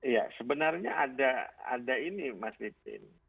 iya sebenarnya ada ini mas pipin